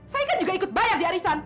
saya kan juga ikut bayar di arisan